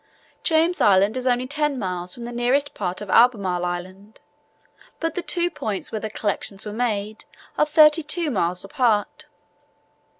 James Island is only ten miles from the nearest part of Albemarle Island, but the two points where the collections were made are thirty two miles apart.